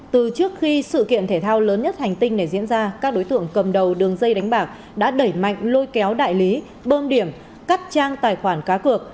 từ trước khi sự kiện thể thao lớn nhất hành tinh này diễn ra các đối tượng cầm đầu đường dây đánh bạc đã đẩy mạnh lôi kéo đại lý bơm điểm cắt trang tài khoản cá cược